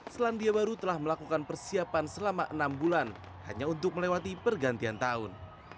selandia baru telah melakukan persiapan selama enam bulan hanya untuk melewati pergantian tahun